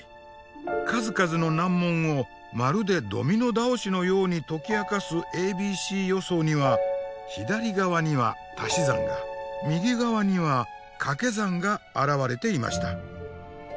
数々の難問をまるでドミノ倒しのように解き明かすａｂｃ予想には左側にはたし算が右側にはかけ算が現れていました。